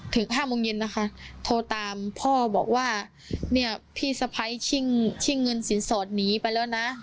ห้าโมงเย็นนะคะโทรตามพ่อบอกว่าเนี่ยพี่สะพ้ายชิ่งเงินสินสอดหนีไปแล้วนะ